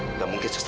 nggak mungkin buster